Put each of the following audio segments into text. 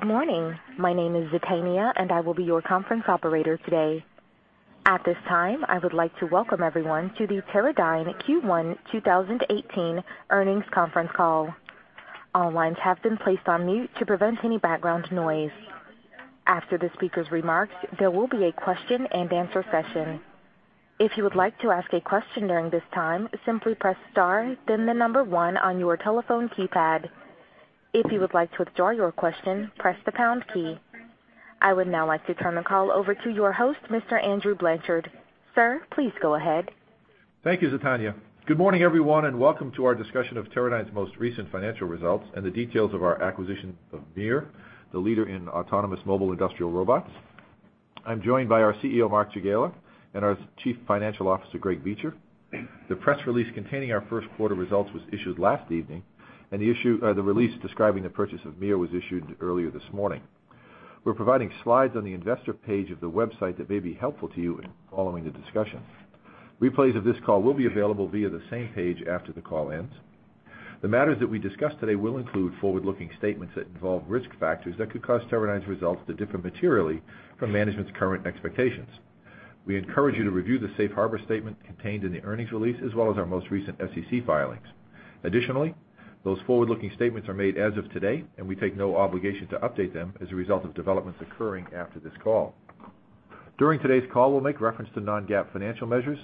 Good morning. My name is Zetania, and I will be your conference operator today. At this time, I would like to welcome everyone to the Teradyne Q1 2018 earnings conference call. All lines have been placed on mute to prevent any background noise. After the speaker's remarks, there will be a question-and-answer session. If you would like to ask a question during this time, simply press star, then the number one on your telephone keypad. If you would like to withdraw your question, press the pound key. I would now like to turn the call over to your host, Mr. Andy Blanchard. Sir, please go ahead. Thank you, Zetania. Good morning, everyone, and welcome to our discussion of Teradyne's most recent financial results and the details of our acquisition of MiR, the leader in autonomous mobile industrial robots. I'm joined by our CEO, Mark Jagiela, and our Chief Financial Officer, Greg Beachler. The press release containing our first quarter results was issued last evening, and the release describing the purchase of MiR was issued earlier this morning. We're providing slides on the investor page of the website that may be helpful to you in following the discussion. Replays of this call will be available via the same page after the call ends. The matters that we discuss today will include forward-looking statements that involve risk factors that could cause Teradyne's results to differ materially from management's current expectations. We encourage you to review the safe harbor statement contained in the earnings release, as well as our most recent SEC filings. Those forward-looking statements are made as of today, and we take no obligation to update them as a result of developments occurring after this call. During today's call, we'll make reference to non-GAAP financial measures.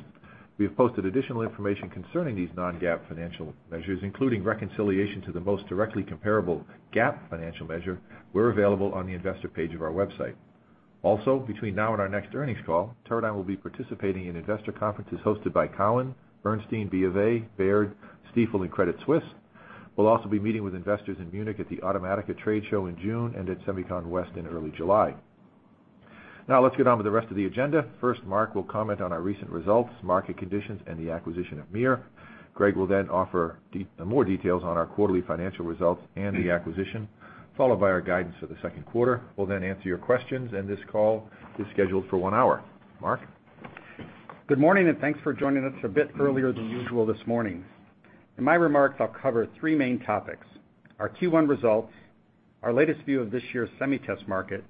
We have posted additional information concerning these non-GAAP financial measures, including reconciliation to the most directly comparable GAAP financial measure, were available on the investor page of our website. Between now and our next earnings call, Teradyne will be participating in investor conferences hosted by Cowen, Bernstein, BofA, Baird, Stifel, and Credit Suisse. We'll also be meeting with investors in Munich at the Automatica Trade Show in June and at SEMICON West in early July. Let's get on with the rest of the agenda. Mark will comment on our recent results, market conditions, and the acquisition of MiR. Greg will offer more details on our quarterly financial results and the acquisition, followed by our guidance for the second quarter. We'll answer your questions, and this call is scheduled for one hour. Mark? Good morning, thanks for joining us a bit earlier than usual this morning. In my remarks, I'll cover three main topics: our Q1 results, our latest view of this year's semi test market,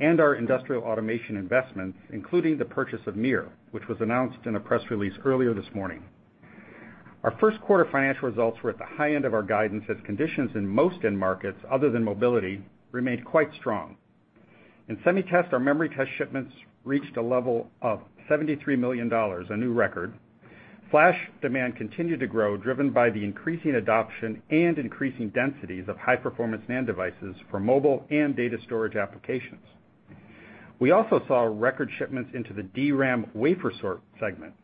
and our industrial automation investment, including the purchase of MiR, which was announced in a press release earlier this morning. Our first quarter financial results were at the high end of our guidance as conditions in most end markets, other than mobility, remained quite strong. In semi test, our memory test shipments reached a level of $73 million, a new record. Flash demand continued to grow, driven by the increasing adoption and increasing densities of high-performance NAND devices for mobile and data storage applications. We also saw record shipments into the DRAM wafer segment.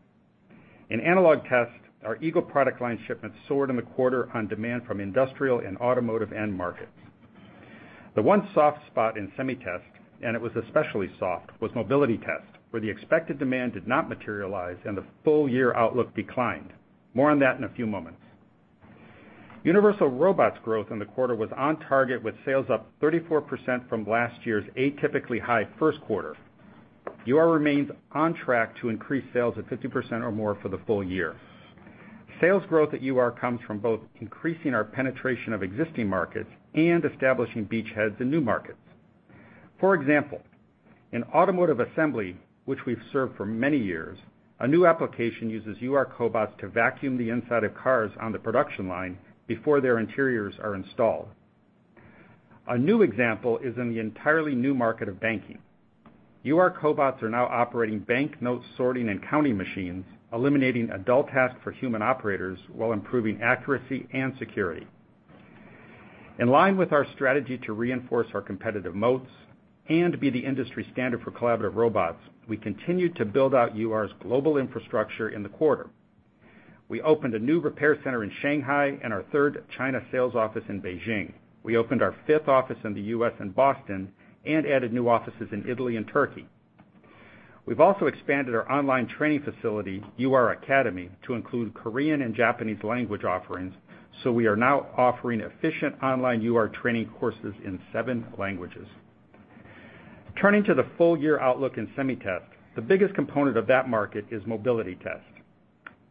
In analog test, our Eagle product line shipments soared in the quarter on demand from industrial and automotive end markets. The one soft spot in semi test, and it was especially soft, was mobility test, where the expected demand did not materialize, and the full-year outlook declined. More on that in a few moments. Universal Robots growth in the quarter was on target with sales up 34% from last year's atypically high first quarter. UR remains on track to increase sales of 50% or more for the full year. Sales growth at UR comes from both increasing our penetration of existing markets and establishing beachheads in new markets. For example, in automotive assembly, which we've served for many years, a new application uses UR cobots to vacuum the inside of cars on the production line before their interiors are installed. A new example is in the entirely new market of banking. UR cobots are now operating bank note sorting and counting machines, eliminating a dull task for human operators while improving accuracy and security. In line with our strategy to reinforce our competitive moats and be the industry standard for collaborative robots, we continued to build out UR's global infrastructure in the quarter. We opened a new repair center in Shanghai and our third China sales office in Beijing. We opened our fifth office in the U.S. in Boston and added new offices in Italy and Turkey. We've also expanded our online training facility, UR Academy, to include Korean and Japanese language offerings, so we are now offering efficient online UR training courses in seven languages. Turning to the full-year outlook in semi test, the biggest component of that market is mobility test.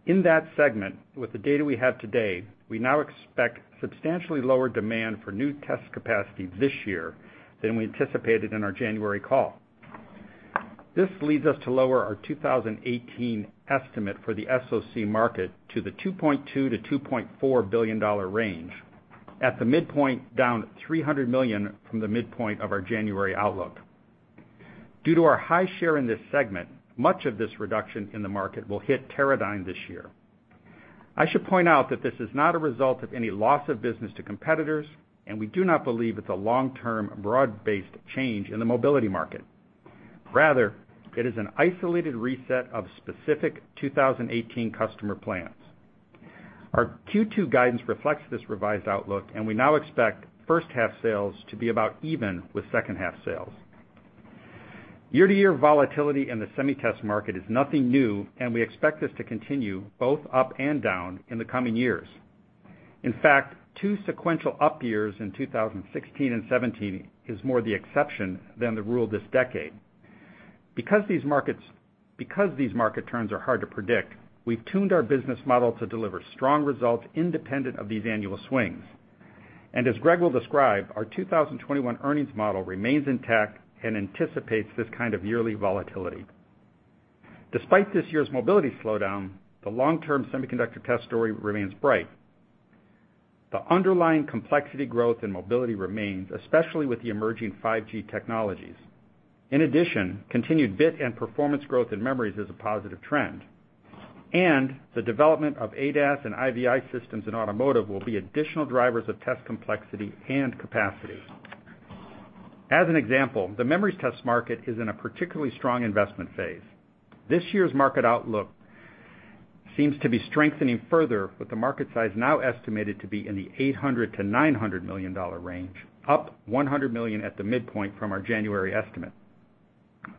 In that segment, with the data we have to date, we now expect substantially lower demand for new test capacity this year than we anticipated in our January call. This leads us to lower our 2018 estimate for the SoC market to the $2.2 billion-$2.4 billion range. At the midpoint, down $300 million from the midpoint of our January outlook. Due to our high share in this segment, much of this reduction in the market will hit Teradyne this year. I should point out that this is not a result of any loss of business to competitors, and we do not believe it's a long-term, broad-based change in the mobility market. Rather, it is an isolated reset of specific 2018 customer plans. Our Q2 guidance reflects this revised outlook, and we now expect first half sales to be about even with second half sales. Year-to-year volatility in the semi test market is nothing new. We expect this to continue both up and down in the coming years. In fact, two sequential up years in 2016 and 2017 is more the exception than the rule this decade. These market turns are hard to predict. We've tuned our business model to deliver strong results independent of these annual swings. As Greg will describe, our 2021 earnings model remains intact and anticipates this kind of yearly volatility. Despite this year's mobility slowdown, the long-term semiconductor test story remains bright. The underlying complexity growth in mobility remains, especially with the emerging 5G technologies. In addition, continued bit and performance growth in memories is a positive trend, and the development of ADAS and IVI systems in automotive will be additional drivers of test complexity and capacity. As an example, the memories test market is in a particularly strong investment phase. This year's market outlook seems to be strengthening further with the market size now estimated to be in the $800 million-$900 million range, up $100 million at the midpoint from our January estimate.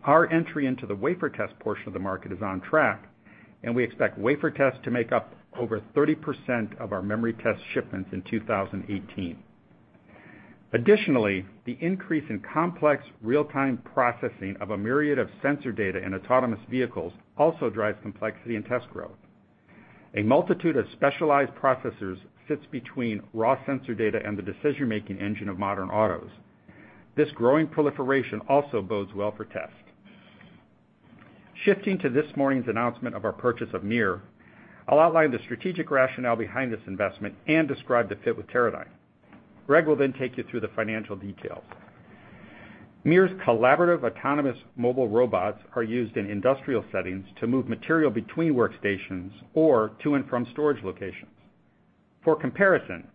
Our entry into the wafer test portion of the market is on track. We expect wafer tests to make up over 30% of our memory test shipments in 2018. Additionally, the increase in complex real-time processing of a myriad of sensor data in autonomous vehicles also drives complexity and test growth. A multitude of specialized processors sits between raw sensor data and the decision-making engine of modern autos. This growing proliferation also bodes well for test. Shifting to this morning's announcement of our purchase of MiR, I'll outline the strategic rationale behind this investment and describe the fit with Teradyne. Greg will then take you through the financial details. MiR's collaborative autonomous mobile robots are used in industrial settings to move material between workstations or to and from storage locations. For comparison,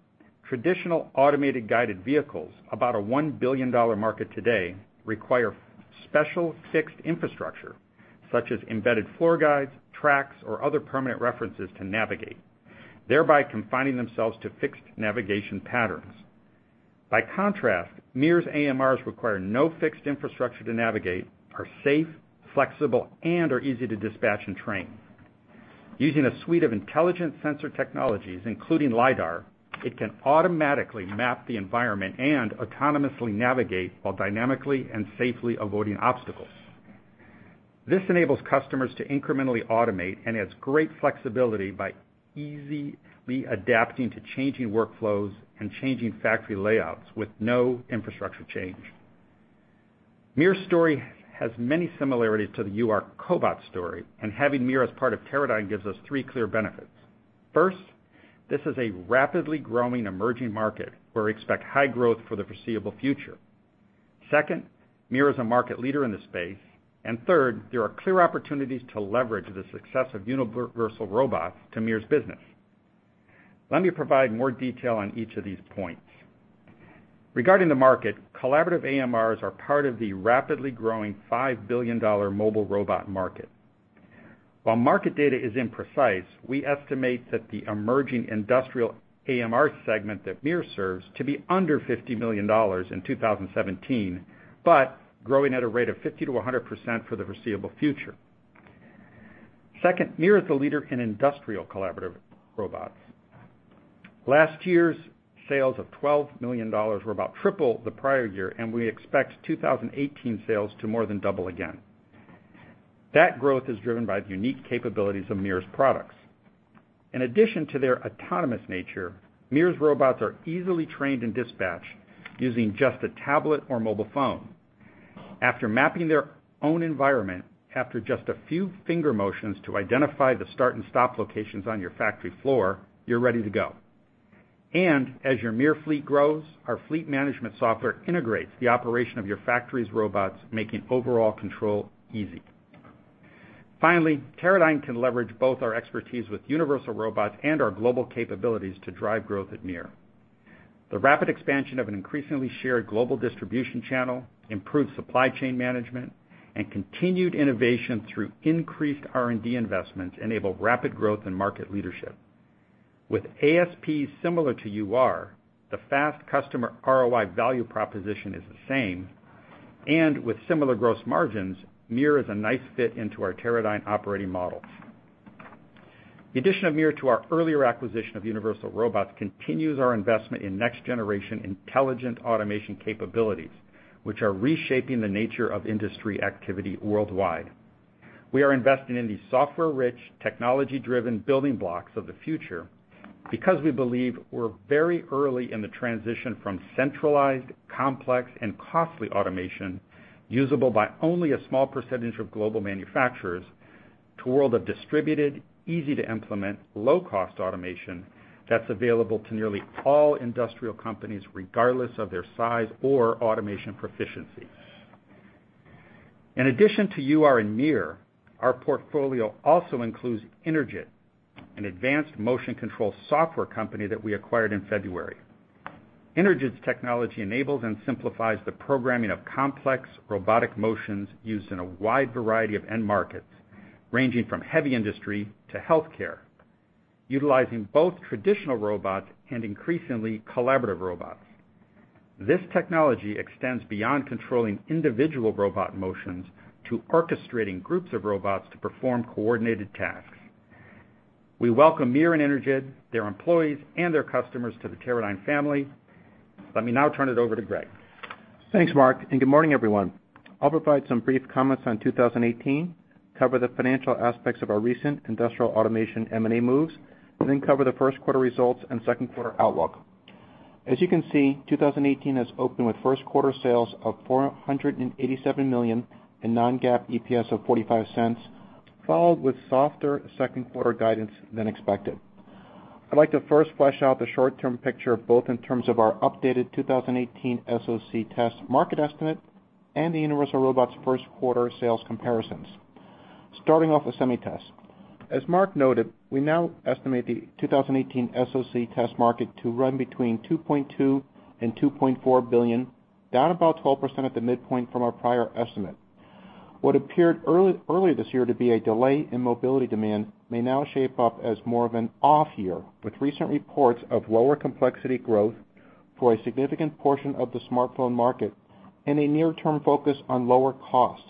traditional automated guided vehicles, about a $1 billion market today, require special fixed infrastructure, such as embedded floor guides, tracks, or other permanent references to navigate, thereby confining themselves to fixed navigation patterns. By contrast, MiR's AMRs require no fixed infrastructure to navigate, are safe, flexible, and are easy to dispatch and train. Using a suite of intelligent sensor technologies, including lidar, it can automatically map the environment and autonomously navigate while dynamically and safely avoiding obstacles. This enables customers to incrementally automate and adds great flexibility by easily adapting to changing workflows and changing factory layouts with no infrastructure change. MiR's story has many similarities to the UR cobot story. Having MiR as part of Teradyne gives us three clear benefits. First, this is a rapidly growing emerging market where we expect high growth for the foreseeable future. Second, MiR is a market leader in the space. Third, there are clear opportunities to leverage the success of Universal Robots to MiR's business. Let me provide more detail on each of these points. Regarding the market, collaborative AMRs are part of the rapidly growing $5 billion mobile robot market. While market data is imprecise, we estimate that the emerging industrial AMR segment that MiR serves to be under $50 million in 2017, but growing at a rate of 50%-100% for the foreseeable future. Second, MiR is a leader in industrial collaborative robots. Last year's sales of $12 million were about triple the prior year. We expect 2018 sales to more than double again. That growth is driven by the unique capabilities of MiR's products. In addition to their autonomous nature, MiR's robots are easily trained and dispatched using just a tablet or mobile phone. After mapping their own environment, after just a few finger motions to identify the start and stop locations on your factory floor, you're ready to go. As your MiR fleet grows, our fleet management software integrates the operation of your factory's robots, making overall control easy. Finally, Teradyne can leverage both our expertise with Universal Robots and our global capabilities to drive growth at MiR. The rapid expansion of an increasingly shared global distribution channel, improved supply chain management, and continued innovation through increased R&D investments enable rapid growth and market leadership. With ASP similar to UR, the fast customer ROI value proposition is the same. With similar gross margins, MiR is a nice fit into our Teradyne operating models. The addition of MiR to our earlier acquisition of Universal Robots continues our investment in next-generation intelligent automation capabilities, which are reshaping the nature of industry activity worldwide. We are investing in the software-rich, technology-driven building blocks of the future because we believe we're very early in the transition from centralized, complex, and costly automation usable by only a small percentage of global manufacturers to a world of distributed, easy-to-implement, low-cost automation that's available to nearly all industrial companies, regardless of their size or automation proficiency. In addition to UR and MiR, our portfolio also includes Energid, an advanced motion control software company that we acquired in February. Energid's technology enables and simplifies the programming of complex robotic motions used in a wide variety of end markets, ranging from heavy industry to healthcare, utilizing both traditional robots and increasingly collaborative robots. This technology extends beyond controlling individual robot motions to orchestrating groups of robots to perform coordinated tasks. We welcome MiR and Energid, their employees, and their customers to the Teradyne family. Let me now turn it over to Greg. Thanks, Mark. Good morning, everyone. I'll provide some brief comments on 2018, cover the financial aspects of our recent industrial automation M&A moves. Then cover the first quarter results and second quarter outlook. As you can see, 2018 has opened with first quarter sales of $487 million and non-GAAP EPS of $0.45, followed with softer second quarter guidance than expected. I'd like to first flesh out the short-term picture, both in terms of our updated 2018 SoC test market estimate and the Universal Robots' first quarter sales comparisons. Starting off with Semi Test. As Mark noted, we now estimate the 2018 SoC test market to run between $2.2 billion and $2.4 billion, down about 12% at the midpoint from our prior estimate. What appeared early this year to be a delay in mobility demand may now shape up as more of an off year, with recent reports of lower complexity growth for a significant portion of the smartphone market and a near-term focus on lower cost.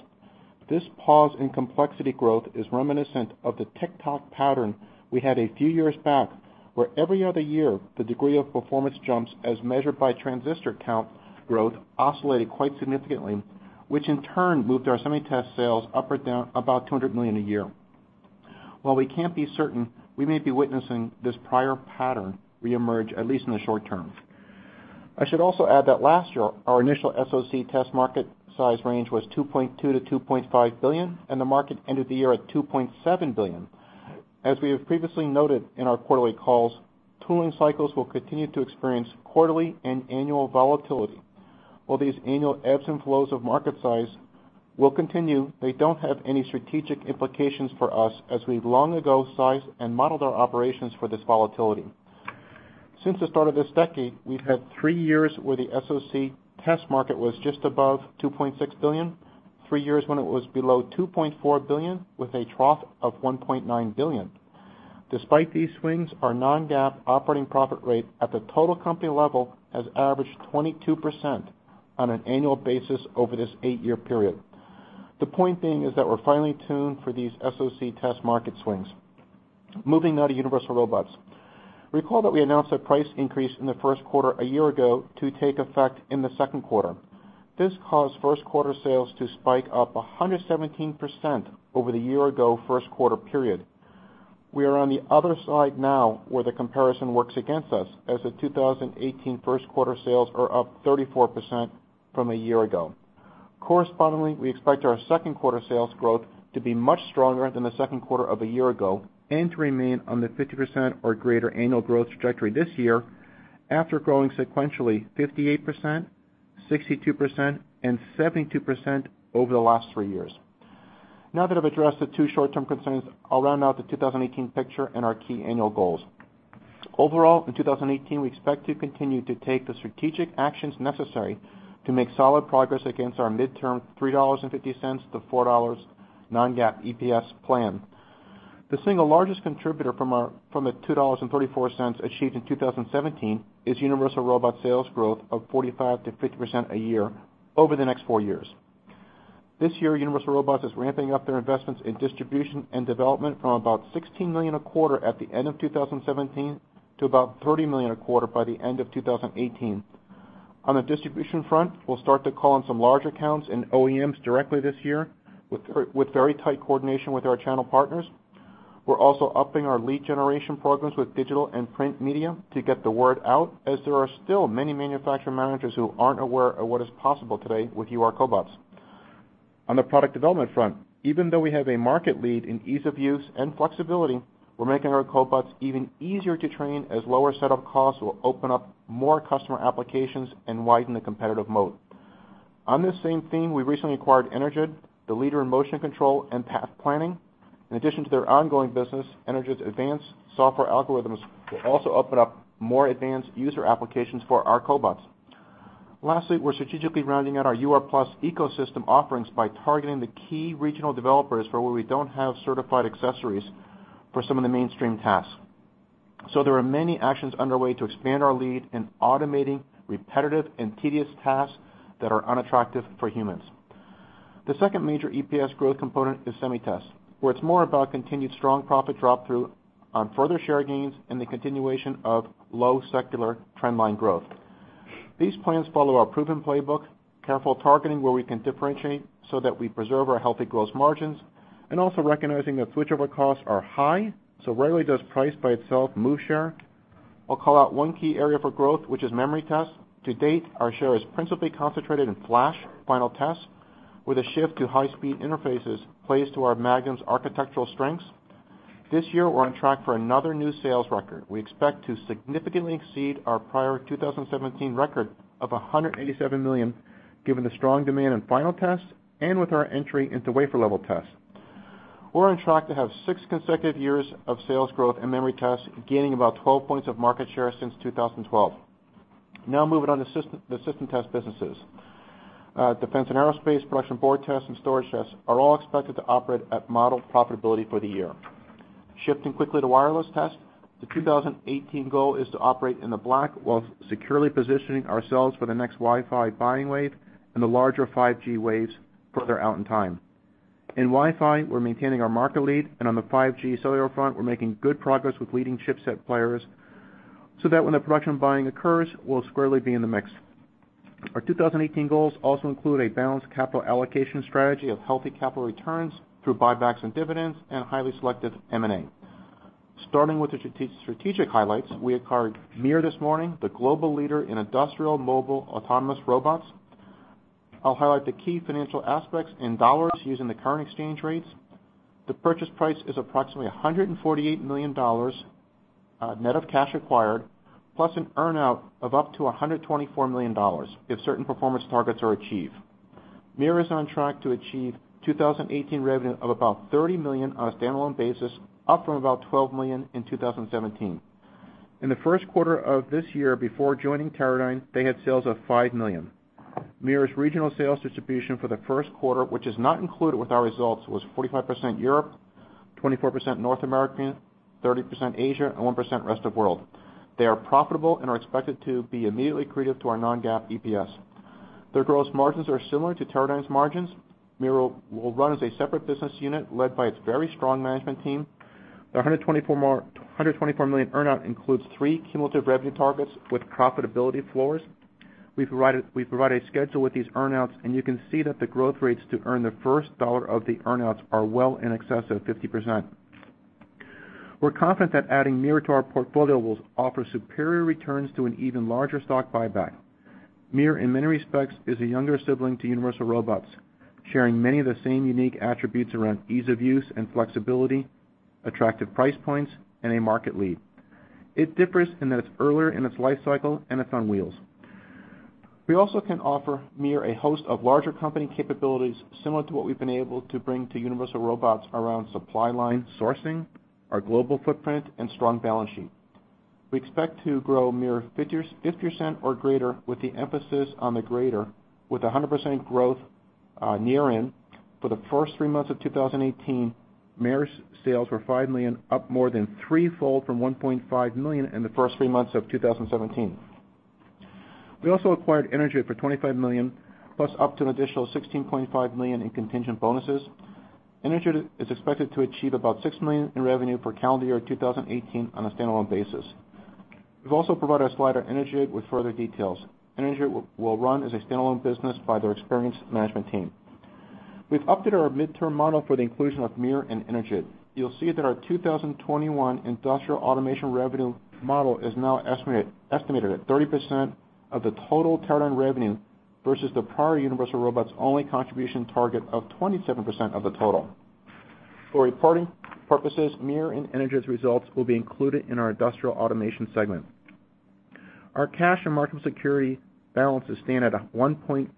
This pause in complexity growth is reminiscent of the tick-tock pattern we had a few years back, where every other year, the degree of performance jumps as measured by transistor count growth oscillated quite significantly, which in turn moved our Semi Test sales up or down about $200 million a year. While we can't be certain, we may be witnessing this prior pattern reemerge, at least in the short term. I should also add that last year, our initial SoC test market size range was $2.2 billion-$2.5 billion, and the market ended the year at $2.7 billion. As we have previously noted in our quarterly calls, tooling cycles will continue to experience quarterly and annual volatility. While these annual ebbs and flows of market size will continue, they don't have any strategic implications for us, as we've long ago sized and modeled our operations for this volatility. Since the start of this decade, we've had three years where the SoC test market was just above $2.6 billion, three years when it was below $2.4 billion, with a trough of $1.9 billion. Despite these swings, our non-GAAP operating profit rate at the total company level has averaged 22% on an annual basis over this eight-year period. The point being is that we're finely tuned for these SoC test market swings. Moving now to Universal Robots. Recall that we announced a price increase in the first quarter a year ago to take effect in the second quarter. This caused first quarter sales to spike up 117% over the year ago first quarter period. We are on the other side now where the comparison works against us, as the 2018 first quarter sales are up 34% from a year ago. Correspondingly, we expect our second quarter sales growth to be much stronger than the second quarter of a year ago and to remain on the 50% or greater annual growth trajectory this year after growing sequentially 58%, 62%, and 72% over the last three years. Now that I've addressed the two short-term concerns, I'll round out the 2018 picture and our key annual goals. Overall, in 2018, we expect to continue to take the strategic actions necessary to make solid progress against our midterm $3.50-$4 non-GAAP EPS plan. The single largest contributor from the $2.34 achieved in 2017 is Universal Robots sales growth of 45%-50% a year over the next four years. This year, Universal Robots is ramping up their investments in distribution and development from about $16 million a quarter at the end of 2017 to about $30 million a quarter by the end of 2018. On the distribution front, we'll start to call on some large accounts and OEMs directly this year with very tight coordination with our channel partners. We're also upping our lead generation programs with digital and print media to get the word out, as there are still many manufacturing managers who aren't aware of what is possible today with UR cobots. On the product development front, even though we have a market lead in ease of use and flexibility, we're making our cobots even easier to train, as lower setup costs will open up more customer applications and widen the competitive moat. On this same theme, we recently acquired Energid, the leader in motion control and path planning. In addition to their ongoing business, Energid's advanced software algorithms will also open up more advanced user applications for our cobots. Lastly, we're strategically rounding out our UR+ ecosystem offerings by targeting the key regional developers for where we don't have certified accessories for some of the mainstream tasks. There are many actions underway to expand our lead in automating repetitive and tedious tasks that are unattractive for humans. The second major EPS growth component is Semi Test, where it's more about continued strong profit drop through on further share gains and the continuation of low secular trend line growth. These plans follow our proven playbook, careful targeting where we can differentiate so that we preserve our healthy growth margins, and also recognizing that switchover costs are high, so rarely does price by itself move share. I'll call out one key area for growth, which is memory test. To date, our share is principally concentrated in flash final test, with a shift to high-speed interfaces plays to our Magnum's architectural strengths. This year, we're on track for another new sales record. We expect to significantly exceed our prior 2017 record of $187 million, given the strong demand in final test and with our entry into wafer-level test. We're on track to have six consecutive years of sales growth in memory test, gaining about 12 points of market share since 2012. Moving on to system test businesses. Defense and aerospace, production board tests, and storage tests are all expected to operate at model profitability for the year. Shifting quickly to wireless test. The 2018 goal is to operate in the black while securely positioning ourselves for the next Wi-Fi buying wave and the larger 5G waves further out in time. In Wi-Fi, we're maintaining our market lead, and on the 5G cellular front, we're making good progress with leading chipset players, so that when the production buying occurs, we'll squarely be in the mix. Our 2018 goals also include a balanced capital allocation strategy of healthy capital returns through buybacks and dividends and highly selective M&A. Starting with the strategic highlights, we acquired MiR this morning, the global leader in industrial mobile autonomous robots. I'll highlight the key financial aspects in dollars using the current exchange rates. The purchase price is approximately $148 million net of cash acquired, plus an earn-out of up to $124 million if certain performance targets are achieved. MiR is on track to achieve 2018 revenue of about $30 million on a standalone basis, up from about $12 million in 2017. In the first quarter of this year, before joining Teradyne, they had sales of $5 million. MiR's regional sales distribution for the first quarter, which is not included with our results, was 45% Europe, 24% North America, 30% Asia, and 1% rest of world. They are profitable and are expected to be immediately accretive to our non-GAAP EPS. Their gross margins are similar to Teradyne's margins. MiR will run as a separate business unit led by its very strong management team. The $124 million earn-out includes three cumulative revenue targets with profitability floors. We provide a schedule with these earn-outs, and you can see that the growth rates to earn the first dollar of the earn-outs are well in excess of 50%. We're confident that adding MiR to our portfolio will offer superior returns to an even larger stock buyback. MiR, in many respects, is a younger sibling to Universal Robots, sharing many of the same unique attributes around ease of use and flexibility, attractive price points, and a market lead. It differs in that it's earlier in its life cycle and it's on wheels. We also can offer MiR a host of larger company capabilities similar to what we've been able to bring to Universal Robots around supply line sourcing, our global footprint, and strong balance sheet. We expect to grow MiR 50% or greater, with the emphasis on the greater, with 100% growth year-in. For the first three months of 2018, MiR's sales were $5 million, up more than threefold from $1.5 million in the first three months of 2017. We also acquired Energid for $25 million, plus up to an additional $16.5 million in contingent bonuses. Energid is expected to achieve about $6 million in revenue for calendar year 2018 on a standalone basis. We've also provided a slide on Energid with further details. Energid will run as a standalone business by their experienced management team. We've updated our midterm model for the inclusion of MiR and Energid. You'll see that our 2021 industrial automation revenue model is now estimated at 30% of the total Teradyne revenue, versus the prior Universal Robots only contribution target of 27% of the total. For reporting purposes, MiR and Energid's results will be included in our industrial automation segment. Our cash and market security balances stand at $1.588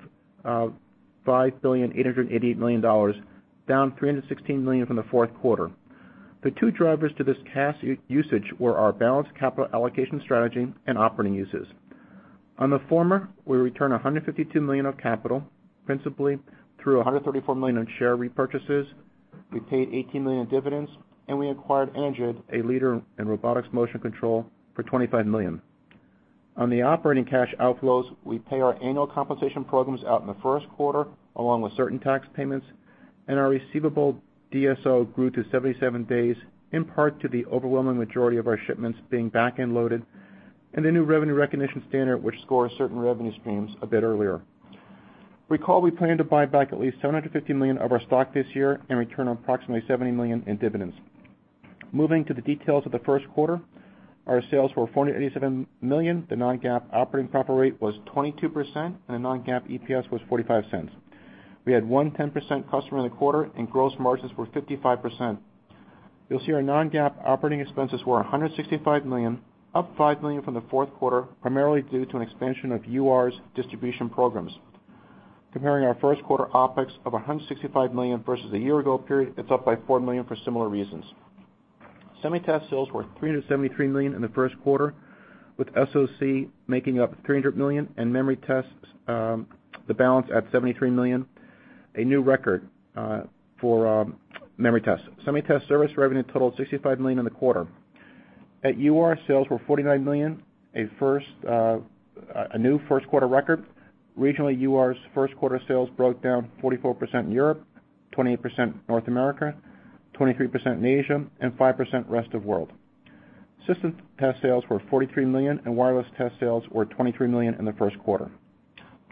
billion, down $316 million from the fourth quarter. The two drivers to this cash usage were our balanced capital allocation strategy and operating uses. On the former, we returned $152 million of capital, principally through $134 million in share repurchases. We paid $18 million in dividends, and we acquired Energid, a leader in robotics motion control, for $25 million. On the operating cash outflows, we pay our annual compensation programs out in the first quarter, along with certain tax payments, and our receivable DSO grew to 77 days, in part to the overwhelming majority of our shipments being back-end loaded and the new revenue recognition standard, which scores certain revenue streams a bit earlier. Recall, we plan to buy back at least $750 million of our stock this year and return approximately $70 million in dividends. Moving to the details of the first quarter, our sales were $487 million, the non-GAAP operating profit rate was 22%, and the non-GAAP EPS was $0.45. We had one 10% customer in the quarter, and gross margins were 55%. You'll see our non-GAAP operating expenses were $165 million, up $5 million from the fourth quarter, primarily due to an expansion of UR's distribution programs. Comparing our first quarter OPEX of $165 million versus the year-ago period, it's up by $4 million for similar reasons. Semi-test sales were $373 million in the first quarter, with SOC making up $300 million and memory tests, the balance at $73 million. A new record for memory tests. Semi-test service revenue totaled $65 million in the quarter. At UR, sales were $49 million, a new first-quarter record. Regionally, UR's first-quarter sales broke down 44% in Europe, 28% in North America, 23% in Asia, and 5% rest of world. System test sales were $43 million, and wireless test sales were $23 million in the first quarter.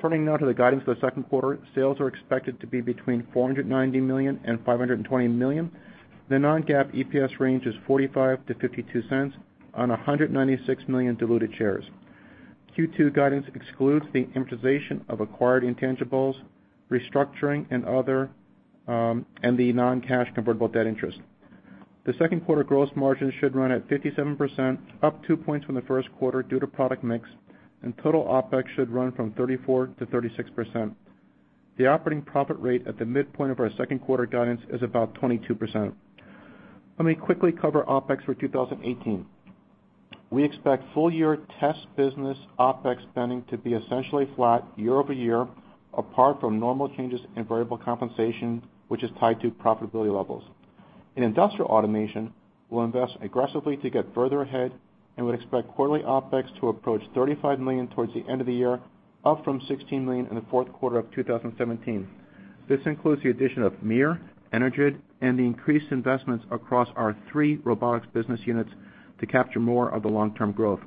Turning now to the guidance for the second quarter, sales are expected to be between $490 million and $520 million. The non-GAAP EPS range is $0.45 to $0.52 on 196 million diluted shares. Q2 guidance excludes the amortization of acquired intangibles, restructuring and other, and the non-cash convertible debt interest. The second quarter gross margin should run at 57%, up 2 points from the first quarter due to product mix, and total OPEX should run from 34%-36%. The operating profit rate at the midpoint of our second quarter guidance is about 22%. Let me quickly cover OPEX for 2018. We expect full-year test business OPEX spending to be essentially flat year-over-year, apart from normal changes in variable compensation, which is tied to profitability levels. In industrial automation, we'll invest aggressively to get further ahead and would expect quarterly OPEX to approach $35 million towards the end of the year, up from $16 million in the fourth quarter of 2017. This includes the addition of MiR, Energid, and the increased investments across our three robotics business units to capture more of the long-term growth.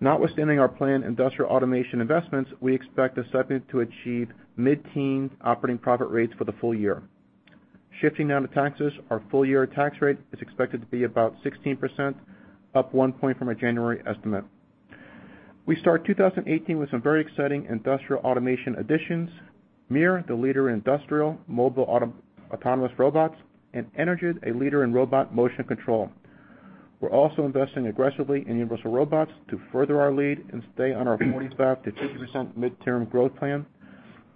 Notwithstanding our planned industrial automation investments, we expect the segment to achieve mid-teen operating profit rates for the full year. Shifting now to taxes, our full-year tax rate is expected to be about 16%, up one point from our January estimate. We start 2018 with some very exciting industrial automation additions. MiR, the leader in industrial mobile autonomous robots, and Energid, a leader in robot motion control. We're also investing aggressively in Universal Robots to further our lead and stay on our 45%-50% midterm growth plan.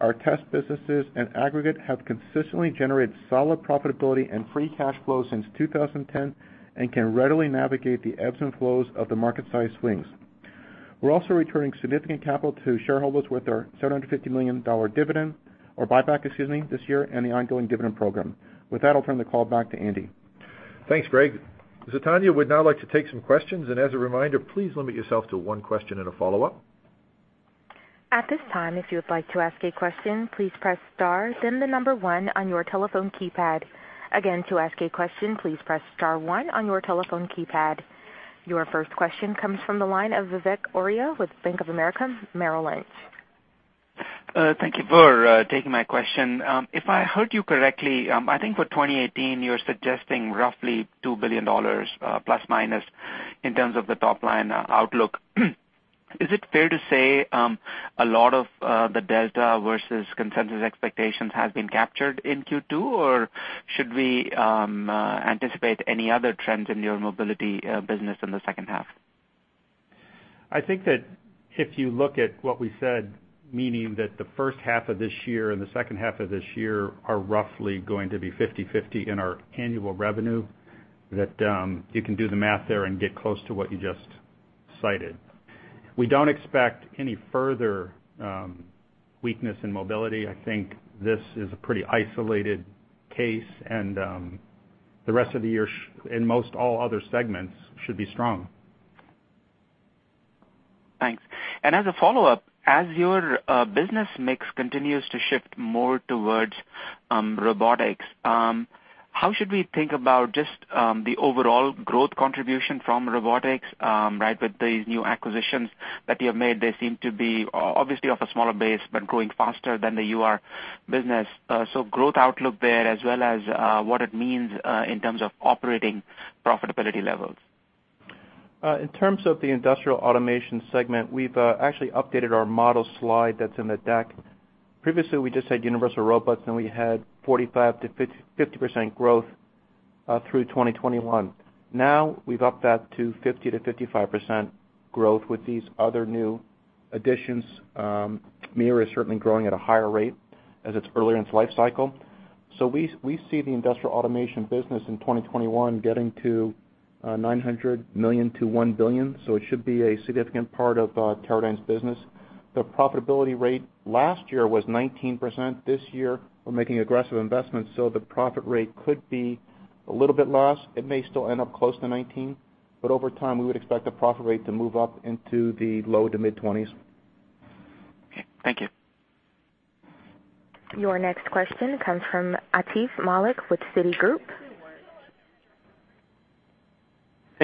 Our test businesses in aggregate have consistently generated solid profitability and free cash flow since 2010 and can readily navigate the ebbs and flows of the market size swings. We're also returning significant capital to shareholders with our $750 million dividend or buyback, excuse me, this year, and the ongoing dividend program. With that, I'll turn the call back to Andy. Thanks, Greg. Tanya would now like to take some questions, and as a reminder, please limit yourself to one question and a follow-up. At this time, if you would like to ask a question, please press star, then the number one on your telephone keypad. Again, to ask a question, please press star one on your telephone keypad. Your first question comes from the line of Vivek Arya with Bank of America Merrill Lynch. Thank you for taking my question. If I heard you correctly, I think for 2018 you're suggesting roughly $2 billion, plus, minus, in terms of the top-line outlook. Is it fair to say a lot of the delta versus consensus expectations have been captured in Q2, or should we anticipate any other trends in your mobility business in the second half? I think that if you look at what we said, meaning that the first half of this year and the second half of this year are roughly going to be 50/50 in our annual revenue, that you can do the math there and get close to what you just cited. We don't expect any further weakness in mobility. I think this is a pretty isolated case and the rest of the year, in most all other segments, should be strong. Thanks. As a follow-up, as your business mix continues to shift more towards robotics, how should we think about just the overall growth contribution from robotics, right, with these new acquisitions that you have made? They seem to be obviously off a smaller base, but growing faster than the UR business. Growth outlook there, as well as what it means in terms of operating profitability levels. In terms of the industrial automation segment, we've actually updated our model slide that's in the deck. Previously, we just said Universal Robots, and we had 45%-50% growth through 2021. Now we've upped that to 50%-55% growth with these other new additions. MiR is certainly growing at a higher rate as it's earlier in its life cycle. We see the industrial automation business in 2021 getting to $900 million-$1 billion. It should be a significant part of Teradyne's business. The profitability rate last year was 19%. This year we're making aggressive investments, the profit rate could be a little bit less. It may still end up close to 19%, but over time, we would expect the profit rate to move up into the low to mid-20s. Okay, thank you. Your next question comes from Atif Malik with Citigroup.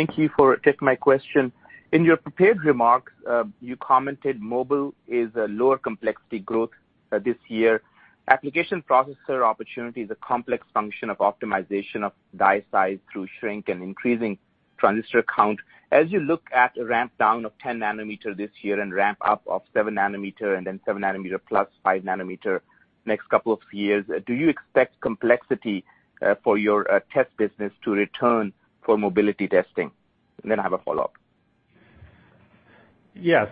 Thank you for taking my question. In your prepared remarks, you commented mobile is a lower complexity growth this year. Application processor opportunity is a complex function of optimization of die size through shrink and increasing transistor count. As you look at a ramp down of 10 nanometer this year and ramp up of 7 nanometer and then 7 nanometer plus 5 nanometer next couple of years, do you expect complexity for your test business to return for mobility testing? I have a follow-up. Yeah.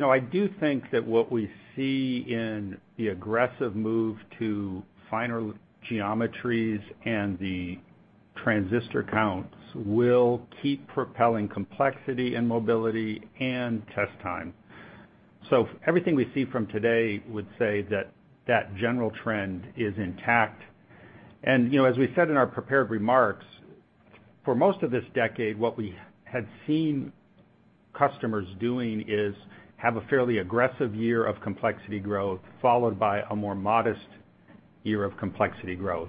I do think that what we see in the aggressive move to finer geometries and the transistor counts will keep propelling complexity and mobility and test time. Everything we see from today would say that that general trend is intact. As we said in our prepared remarks, for most of this decade, what we had seen customers doing is have a fairly aggressive year of complexity growth, followed by a more modest year of complexity growth.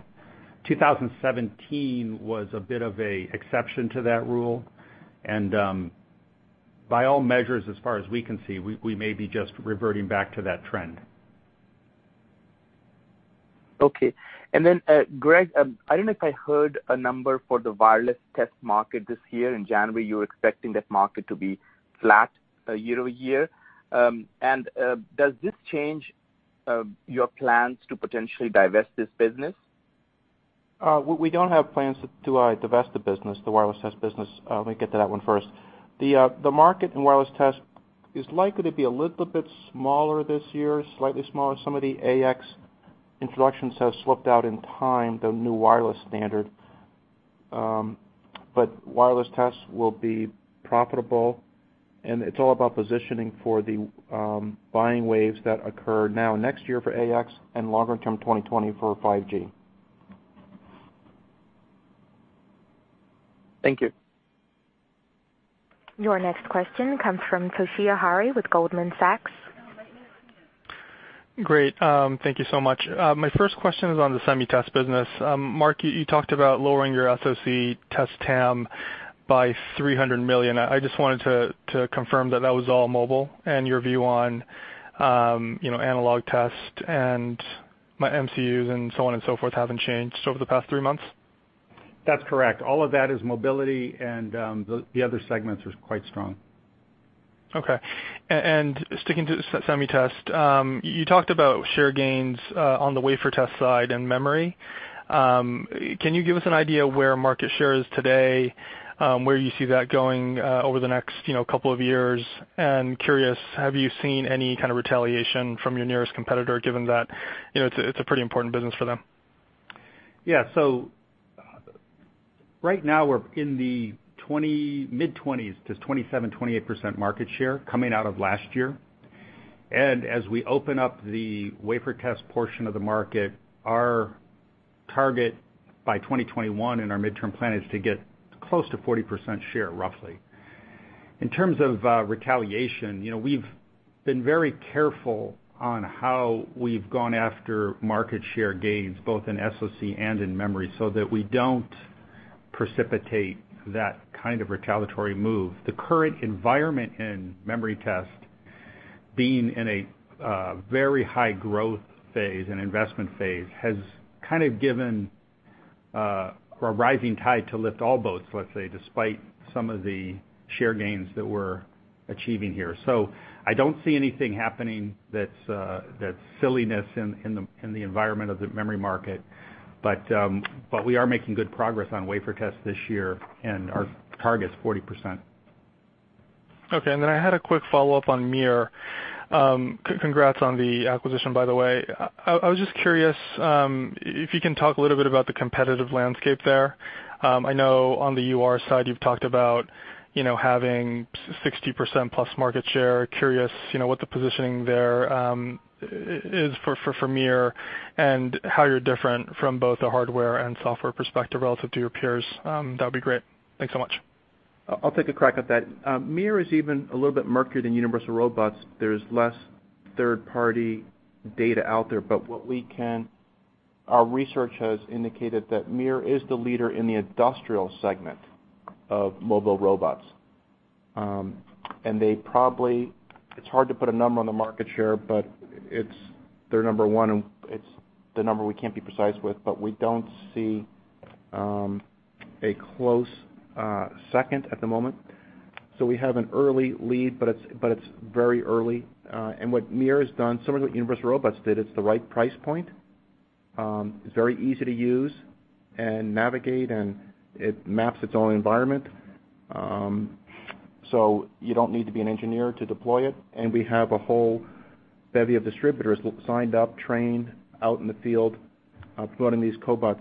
2017 was a bit of an exception to that rule, and by all measures, as far as we can see, we may be just reverting back to that trend. Okay. Greg, I don't know if I heard a number for the wireless test market this year. In January, you were expecting that market to be flat year-over-year. Does this change your plans to potentially divest this business? We don't have plans to divest the business, the wireless test business. Let me get to that one first. The market in wireless test is likely to be a little bit smaller this year, slightly smaller. Some of the 802.11ax Introductions have slipped out in time, the new wireless standard. Wireless tests will be profitable, and it's all about positioning for the buying waves that occur now next year for 802.11ax and longer-term 2020 for 5G. Thank you. Your next question comes from Toshiya Hari with Goldman Sachs. Great. Thank you so much. My first question is on the semi-test business. Mark, you talked about lowering your SoC test TAM by $300 million. I just wanted to confirm that that was all mobile, your view on analog test and MCUs and so on and so forth haven't changed over the past three months. That's correct. All of that is mobility and the other segments are quite strong. Okay. Sticking to semi test, you talked about share gains, on the wafer test side and memory. Can you give us an idea where market share is today, where you see that going over the next couple of years? Curious, have you seen any kind of retaliation from your nearest competitor, given that it's a pretty important business for them? Right now we're in the mid-20s to 27%-28% market share coming out of last year. As we open up the wafer test portion of the market, our target by 2021 in our midterm plan is to get close to 40% share, roughly. In terms of retaliation, we've been very careful on how we've gone after market share gains, both in SoC and in memory, so that we don't precipitate that kind of retaliatory move. The current environment in memory test, being in a very high growth phase and investment phase, has kind of given a rising tide to lift all boats, let's say, despite some of the share gains that we're achieving here. I don't see anything happening that's silliness in the environment of the memory market. We are making good progress on wafer tests this year, and our target's 40%. I had a quick follow-up on MiR. Congrats on the acquisition, by the way. I was just curious if you can talk a little bit about the competitive landscape there. I know on the UR side, you've talked about having 60%+ market share. Curious what the positioning there is for MiR and how you're different from both a hardware and software perspective relative to your peers. That would be great. Thanks so much. I'll take a crack at that. MiR is even a little bit murkier than Universal Robots. There's less third-party data out there, but our research has indicated that MiR is the leader in the industrial segment of mobile robots. It's hard to put a number on the market share, but they're number one, and it's the number we can't be precise with, but we don't see a close second at the moment. We have an early lead, but it's very early. What MiR has done, similar to what Universal Robots did, it's the right price point. It's very easy to use and navigate, and it maps its own environment. You don't need to be an engineer to deploy it, and we have a whole bevy of distributors signed up, trained, out in the field, deploying these cobots.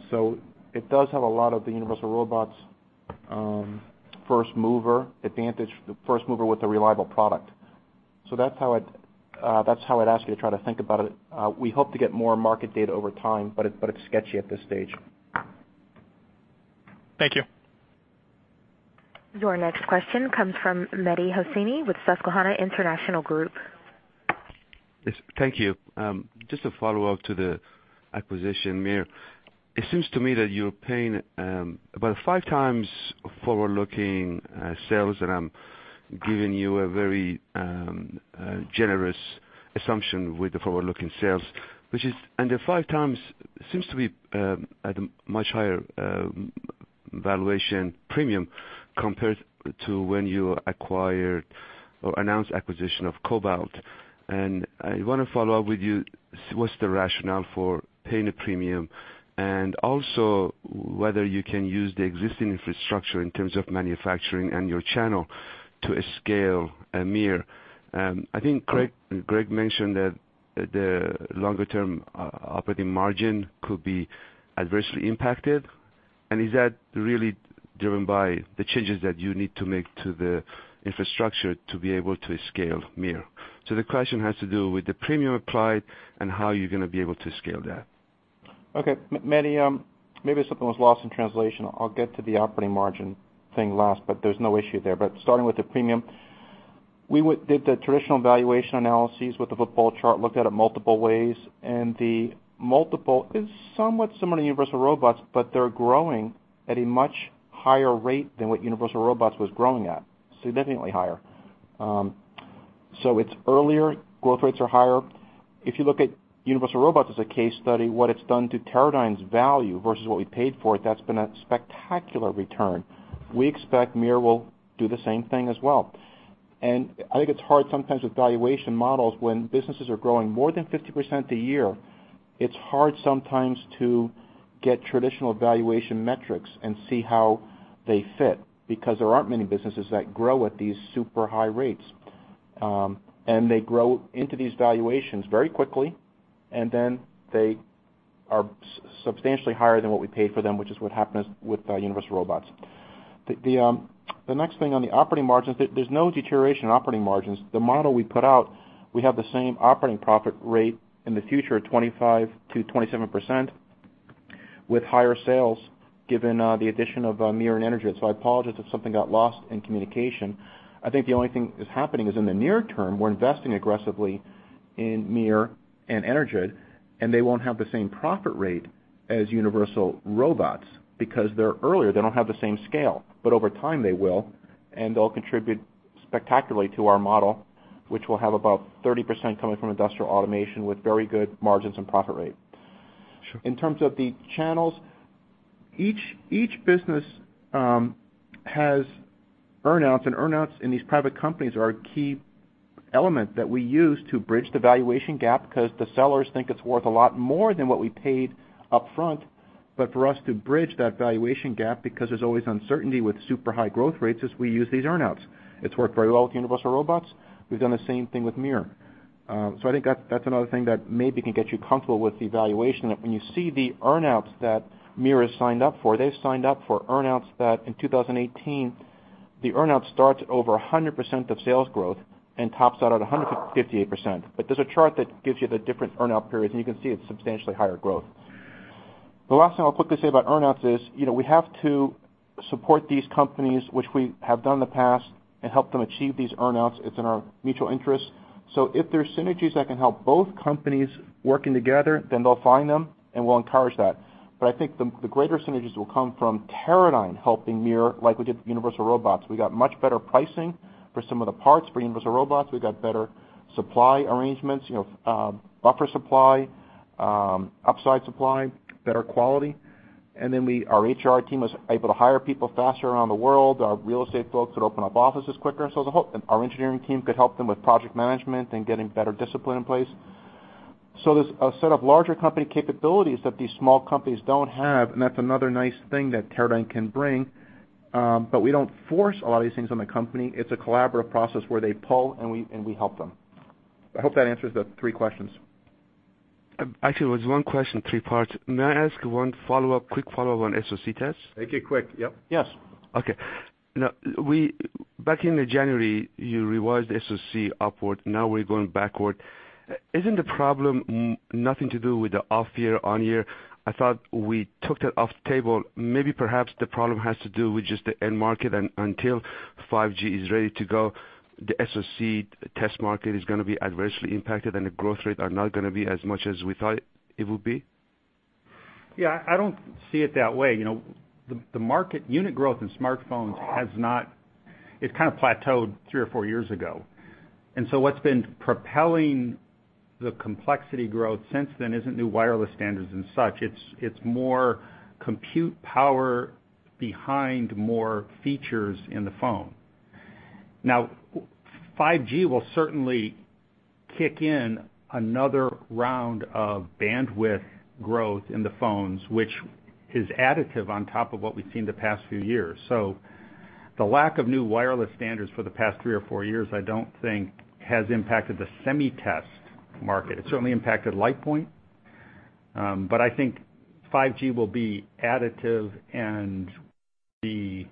It does have a lot of the Universal Robots first-mover advantage, the first mover with a reliable product. That's how I'd ask you to try to think about it. We hope to get more market data over time, but it's sketchy at this stage. Thank you. Your next question comes from Mehdi Hosseini with Susquehanna International Group. Yes, thank you. Just a follow-up to the acquisition, MiR. It seems to me that you're paying about five times forward-looking sales, and I'm giving you a very generous assumption with the forward-looking sales, and the five times seems to be at a much higher valuation premium compared to when you acquired or announced acquisition of cobots. I want to follow up with you, what's the rationale for paying a premium? Also whether you can use the existing infrastructure in terms of manufacturing and your channel to scale MiR. I think Greg mentioned that the longer-term operating margin could be adversely impacted. Is that really driven by the changes that you need to make to the infrastructure to be able to scale MiR? The question has to do with the premium applied and how you're going to be able to scale that. Okay. Mehdi, maybe something was lost in translation. I'll get to the operating margin thing last, but there's no issue there. Starting with the premium, we did the traditional valuation analyses with the football chart, looked at it multiple ways, and the multiple is somewhat similar to Universal Robots, but they're growing at a much higher rate than what Universal Robots was growing at, significantly higher. It's earlier, growth rates are higher. If you look at Universal Robots as a case study, what it's done to Teradyne's value versus what we paid for it, that's been a spectacular return. We expect MiR will do the same thing as well. I think it's hard sometimes with valuation models when businesses are growing more than 50% a year, it's hard sometimes to get traditional valuation metrics and see how they fit, because there aren't many businesses that grow at these super high rates. They grow into these valuations very quickly, and then they are substantially higher than what we paid for them, which is what happened with Universal Robots. The next thing on the operating margins, there's no deterioration in operating margins. The model we put out, we have the same operating profit rate in the future at 25%-27% with higher sales, given the addition of MiR and Energid. I apologize if something got lost in communication. I think the only thing that's happening is in the near term, we're investing aggressively in MiR and Energid, and they won't have the same profit rate as Universal Robots because they're earlier, they don't have the same scale. Over time they will, and they'll contribute spectacularly to our model, which will have about 30% coming from industrial automation with very good margins and profit rate. Sure. In terms of the channels, each business has earn-outs, earn-outs in these private companies are a key element that we use to bridge the valuation gap because the sellers think it's worth a lot more than what we paid up front. For us to bridge that valuation gap, because there's always uncertainty with super high growth rates, is we use these earn-outs. It's worked very well with Universal Robots. We've done the same thing with MiR. I think that's another thing that maybe can get you comfortable with the valuation, that when you see the earn-outs that MiR has signed up for, they've signed up for earn-outs that in 2018, the earn-out starts at over 100% of sales growth and tops out at 158%. There's a chart that gives you the different earn-out periods, and you can see it's substantially higher growth. The last thing I'll quickly say about earn-outs is, we have to support these companies, which we have done in the past, and help them achieve these earn-outs. It's in our mutual interest. If there's synergies that can help both companies working together, then they'll find them, and we'll encourage that. I think the greater synergies will come from Teradyne helping MiR, like we did with Universal Robots. We got much better pricing for some of the parts for Universal Robots. We got better supply arrangements, buffer supply, upside supply, better quality. Then our HR team was able to hire people faster around the world. Our real estate folks could open up offices quicker, and our engineering team could help them with project management and getting better discipline in place. There's a set of larger company capabilities that these small companies don't have, and that's another nice thing that Teradyne can bring. We don't force a lot of these things on the company. It's a collaborative process where they pull, and we help them. I hope that answers the three questions. Actually, it was one question, three parts. May I ask one quick follow-up on SOC tests? Make it quick. Yep. Yes. Okay. Back in January, you revised SOC upward. Now we're going backward. Isn't the problem nothing to do with the off year, on year? I thought we took that off the table. Maybe perhaps the problem has to do with just the end market, and until 5G is ready to go, the SOC test market is going to be adversely impacted, and the growth rate are not going to be as much as we thought it would be? Yeah, I don't see it that way. The market unit growth in smartphones has kind of plateaued three or four years ago. What's been propelling the complexity growth since then isn't new wireless standards and such. It's more compute power behind more features in the phone. 5G will certainly kick in another round of bandwidth growth in the phones, which is additive on top of what we've seen the past few years. The lack of new wireless standards for the past three or four years I don't think has impacted the semi test market. It certainly impacted LitePoint, but I think 5G will be additive and the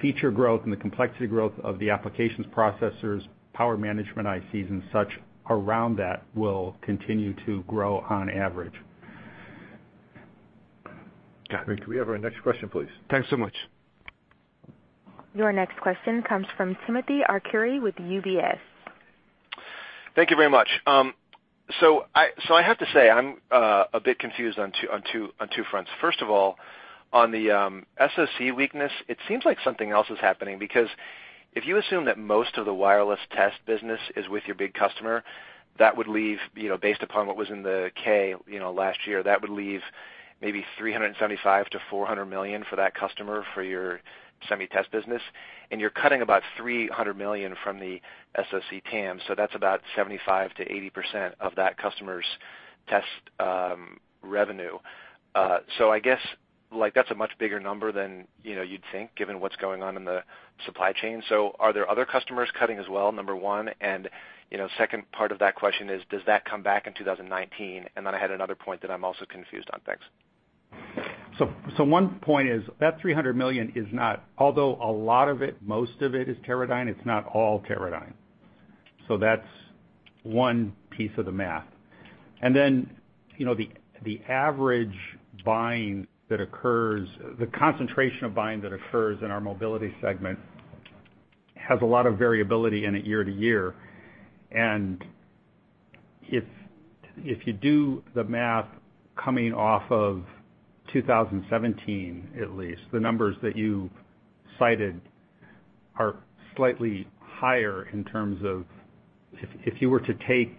feature growth and the complexity growth of the applications processors, power management ICs, and such around that will continue to grow on average. Got it. Great. Can we have our next question, please? Thanks so much. Your next question comes from Timothy Arcuri with UBS. Thank you very much. I have to say, I'm a bit confused on two fronts. First of all, on the SOC weakness, it seems like something else is happening because if you assume that most of the wireless test business is with your big customer, based upon what was in the K last year, that would leave maybe $375 million-$400 million for that customer for your semi test business, and you're cutting about $300 million from the SOC TAM, so that's about 75%-80% of that customer's test revenue. I guess that's a much bigger number than you'd think, given what's going on in the supply chain. Are there other customers cutting as well, number 1? Second part of that question is, does that come back in 2019? I had another point that I'm also confused on. Thanks. One point is that $300 million, although a lot of it, most of it is Teradyne, it's not all Teradyne. That's one piece of the math. Then, the average buying that occurs, the concentration of buying that occurs in our mobility segment has a lot of variability in it year-to-year. If you do the math coming off of 2017, at least, the numbers that you cited are slightly higher in terms of if you were to take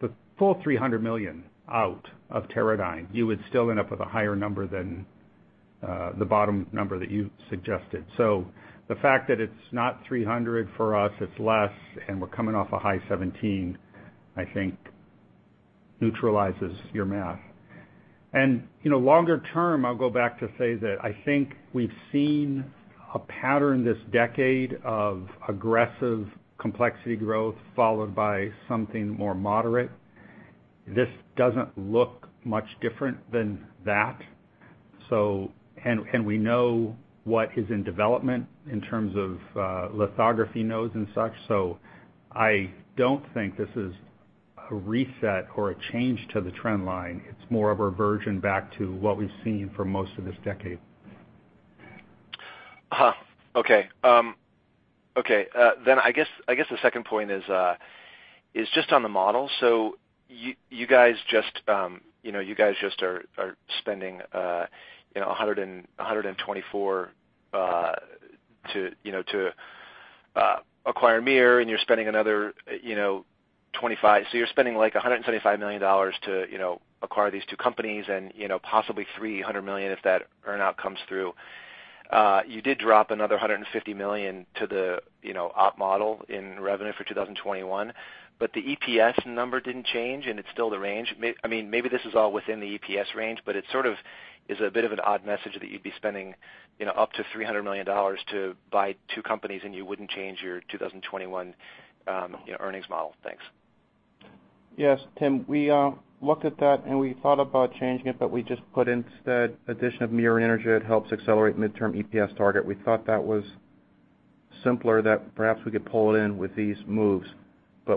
the full $300 million out of Teradyne, you would still end up with a higher number than the bottom number that you suggested. The fact that it's not $300 for us, it's less, and we're coming off a high 2017, I think Neutralizes your math. Longer term, I'll go back to say that I think we've seen a pattern this decade of aggressive complexity growth followed by something more moderate. This doesn't look much different than that. We know what is in development in terms of lithography nodes and such, I don't think this is a reset or a change to the trend line. It's more of a reversion back to what we've seen for most of this decade. Okay. I guess the second point is just on the model. You guys just are spending $124 to acquire MiR, and you're spending another $25. You're spending like $175 million to acquire these two companies and possibly $300 million if that earn out comes through. You did drop another $150 million to the op model in revenue for 2021, but the EPS number didn't change, and it's still the range. Maybe this is all within the EPS range, but it sort of is a bit of an odd message that you'd be spending up to $300 million to buy two companies, and you wouldn't change your 2021 earnings model. Thanks. Yes, Tim, we looked at that, and we thought about changing it. We just put instead addition of MiR and Energid helps accelerate midterm EPS target. We thought that was simpler, that perhaps we could pull it in with these moves.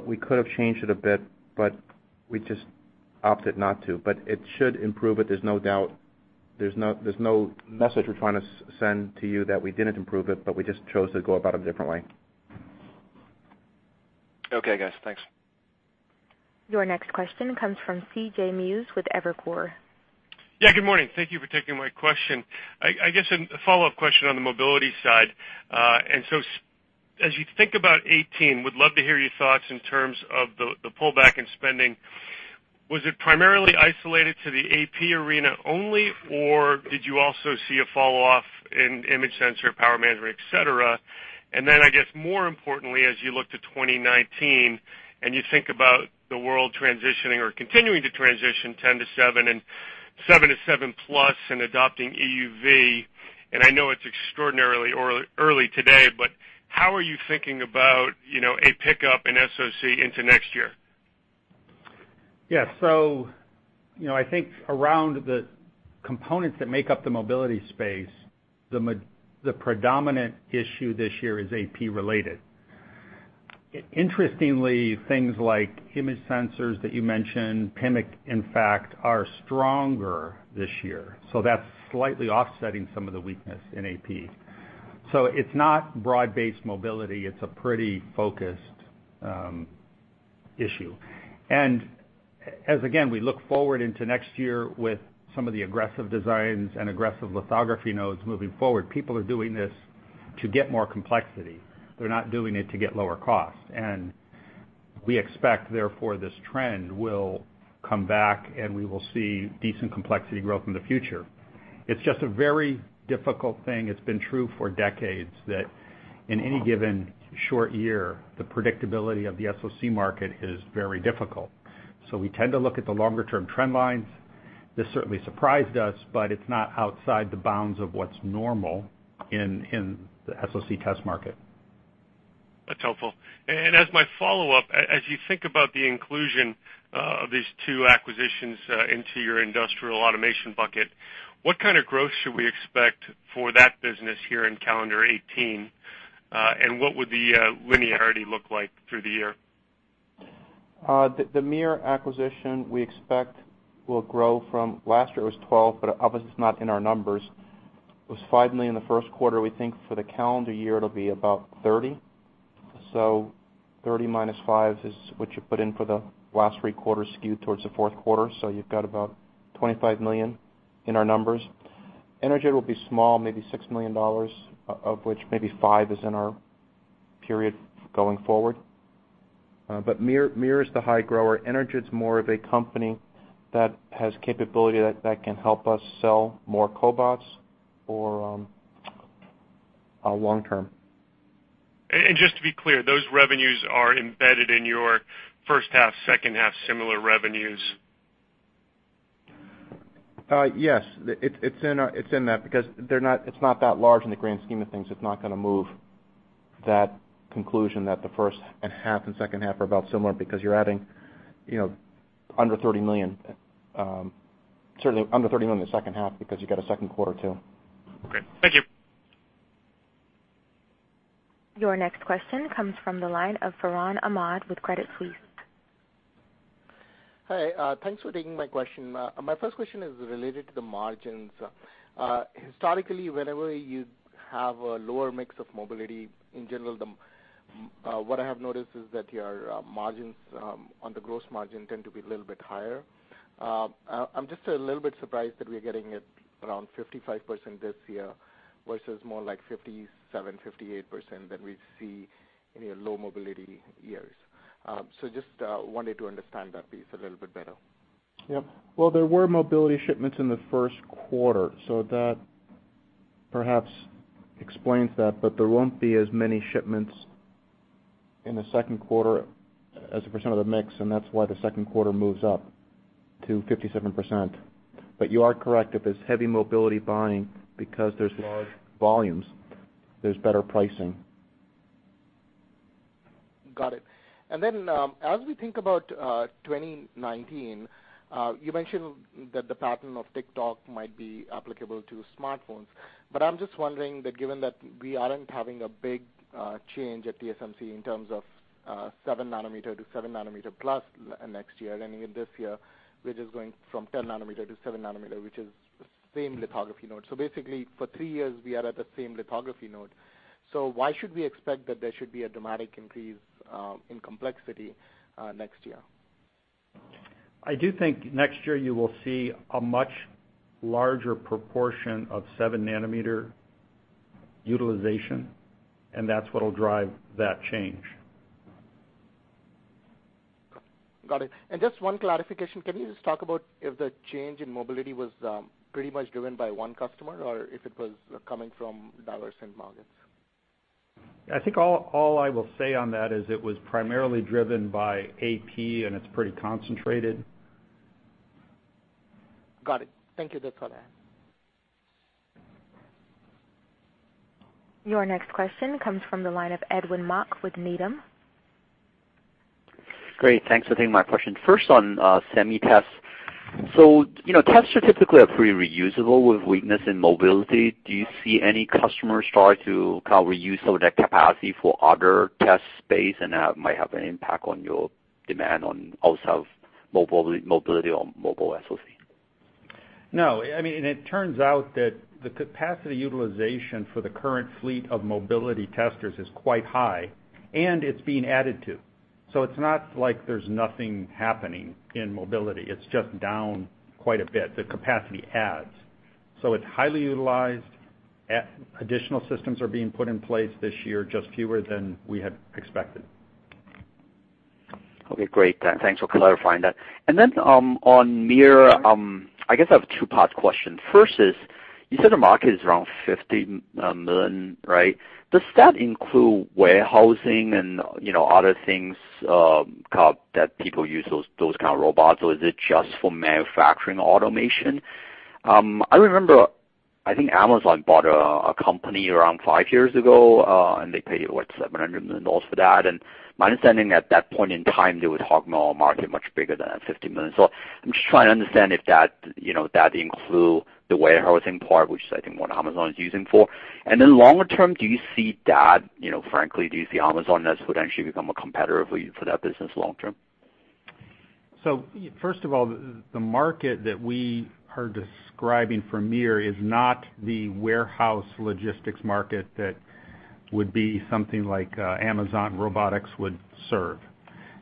We could've changed it a bit, but we just opted not to. It should improve it, there's no doubt. There's no message we're trying to send to you that we didn't improve it, but we just chose to go about it differently. Okay, guys. Thanks. Your next question comes from C.J. Muse with Evercore. Yeah, good morning. Thank you for taking my question. I guess a follow-up question on the mobility side. As you think about 2018, would love to hear your thoughts in terms of the pullback in spending. Was it primarily isolated to the AP arena only, or did you also see a fall-off in image sensor, power management, et cetera? I guess more importantly, as you look to 2019, you think about the world transitioning or continuing to transition 10 to 7 and 7 to 7 plus in adopting EUV, I know it's extraordinarily early today, but how are you thinking about a pickup in SOC into next year? Yeah. I think around the components that make up the mobility space, the predominant issue this year is AP related. Interestingly, things like image sensors that you mentioned, PMIC, in fact, are stronger this year, that's slightly offsetting some of the weakness in AP. It's not broad-based mobility. It's a pretty focused issue. As, again, we look forward into next year with some of the aggressive designs and aggressive lithography nodes moving forward, people are doing this to get more complexity. They're not doing it to get lower cost. We expect, therefore, this trend will come back, and we will see decent complexity growth in the future. It's just a very difficult thing. It's been true for decades that in any given short year, the predictability of the SOC market is very difficult. We tend to look at the longer-term trend lines. This certainly surprised us, but it's not outside the bounds of what's normal in the SOC test market. That's helpful. As my follow-up, as you think about the inclusion of these two acquisitions into your industrial automation bucket, what kind of growth should we expect for that business here in calendar 2018? What would the linearity look like through the year? The MiR acquisition, we expect will grow from last year it was $12 million, but obviously it's not in our numbers. It was $5 million the first quarter. We think for the calendar year, it'll be about $30 million. 30 minus 5 is what you put in for the last three quarters skewed towards the fourth quarter. You've got about $25 million in our numbers. Energid will be small, maybe $6 million, of which maybe $5 is in our period going forward. MiR is the high grower. Energid's more of a company that has capability that can help us sell more cobots for long term. Just to be clear, those revenues are embedded in your first half, second half similar revenues. Yes. It's in that because it's not that large in the grand scheme of things. It's not going to move that conclusion that the first and half and second half are about similar because you're adding under $30 million. Certainly under $30 million in the second half because you've got a second quarter, too. Great. Thank you. Your next question comes from the line of Farhan Ahmad with Credit Suisse. Hi. Thanks for taking my question. My first question is related to the margins. Historically, whenever you have a lower mix of mobility, in general, what I have noticed is that your margins on the gross margin tend to be a little bit higher. I'm just a little bit surprised that we're getting it around 55% this year versus more like 57%, 58% that we see in your low mobility years. Just wanted to understand that piece a little bit better. Yep. Well, there were mobility shipments in the first quarter, so that Perhaps explains that, there won't be as many shipments in the second quarter as a % of the mix, and that's why the second quarter moves up to 57%. You are correct, if there's heavy mobility buying, because there's large volumes, there's better pricing. Got it. As we think about 2019, you mentioned that the pattern of tick-tock might be applicable to smartphones, but I'm just wondering that given that we aren't having a big change at TSMC in terms of seven nanometer to seven nanometer plus next year, ending in this year, we're just going from 10 nanometer to seven nanometer, which is the same lithography node. Basically, for three years, we are at the same lithography node. Why should we expect that there should be a dramatic increase in complexity next year? I do think next year you will see a much larger proportion of seven-nanometer utilization, and that's what'll drive that change. Got it. Just one clarification. Can you just talk about if the change in mobility was pretty much driven by one customer or if it was coming from diverse end markets? I think all I will say on that is it was primarily driven by AP, and it's pretty concentrated. Got it. Thank you. That's all I have. Your next question comes from the line of Edwin Mok with Needham. Great. Thanks for taking my question. First on Semi Test. Tests are typically pretty reusable with weakness in mobility. Do you see any customers starting to reuse some of that capacity for other test space and that might have an impact on your demand on mobility on mobile SoC? No. It turns out that the capacity utilization for the current fleet of mobility testers is quite high, and it's being added to. It's not like there's nothing happening in mobility. It's just down quite a bit, the capacity adds. It's highly utilized. Additional systems are being put in place this year, just fewer than we had expected. Okay, great. Thanks for clarifying that. Then, on MiR, I guess I have a two-part question. First is, you said the market is around $50 million, right? Does that include warehousing and other things that people use those kind of robots, or is it just for manufacturing automation? I remember, I think Amazon bought a company around five years ago, and they paid, what, $700 million for that. My understanding at that point in time, they would talk more market much bigger than that $50 million. I'm just trying to understand if that includes the warehousing part, which is I think what Amazon is using for. Then longer term, frankly, do you see Amazon as potentially become a competitor for you, for that business long term? First of all, the market that we are describing for MiR is not the warehouse logistics market that would be something like Amazon Robotics would serve.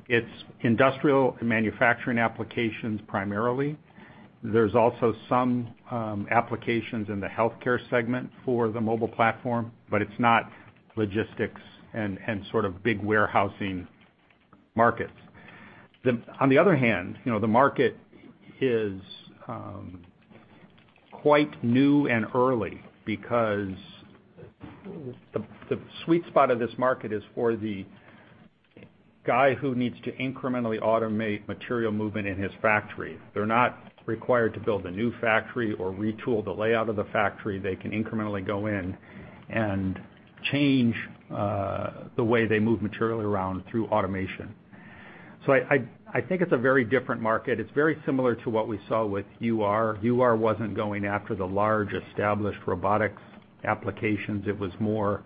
It's industrial manufacturing applications primarily. There's also some applications in the healthcare segment for the mobile platform, but it's not logistics and sort of big warehousing markets. On the other hand, the market is quite new and early because the sweet spot of this market is for the guy who needs to incrementally automate material movement in his factory. They're not required to build a new factory or retool the layout of the factory. They can incrementally go in and change the way they move material around through automation. I think it's a very different market. It's very similar to what we saw with UR. UR wasn't going after the large established robotics applications. It was more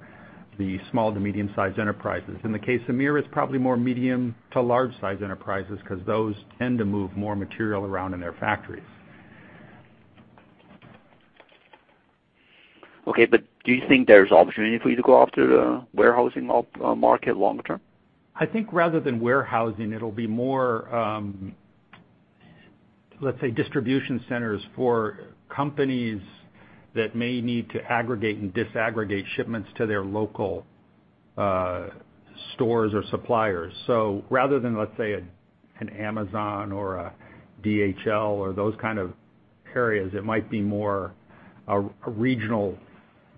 the small to medium-sized enterprises. In the case of MiR, it's probably more medium to large-sized enterprises because those tend to move more material around in their factories. Do you think there's opportunity for you to go after the warehousing market longer term? I think rather than warehousing, it'll be more, let's say, distribution centers for companies that may need to aggregate and disaggregate shipments to their local stores or suppliers. Rather than, let's say, an Amazon or a DHL or those kind of areas, it might be more a regional